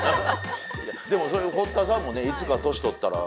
でも堀田さんもねいつか年とったら。